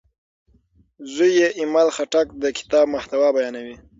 زوی یې ایمل خټک د کتاب محتوا بیانوي.